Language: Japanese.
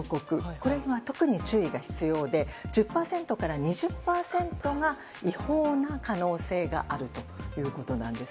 これには特に注意が必要で１０％から２０％が違法な可能性があるということなんです。